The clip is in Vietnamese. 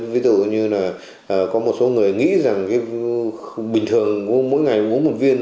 ví dụ như là có một số người nghĩ rằng cái bình thường mỗi ngày uống một viên